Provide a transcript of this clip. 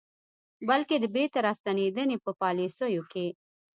بلکې د بیرته راستنېدنې په پالیسیو کې